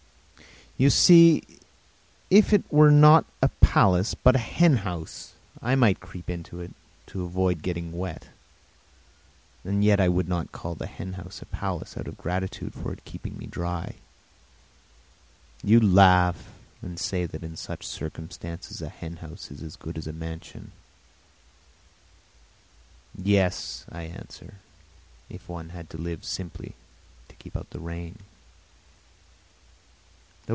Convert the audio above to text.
You see, if it were not a palace, but a hen house, I might creep into it to avoid getting wet, and yet I would not call the hen house a palace out of gratitude to it for keeping me dry. You laugh and say that in such circumstances a hen house is as good as a mansion. Yes, I answer, if one had to live simply to keep out of the rain.